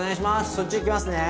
そっち行きますね。